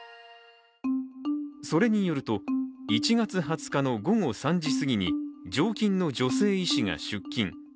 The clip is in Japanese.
それによると、１月２０日の午後３時すぎに常勤の女性医師が出勤。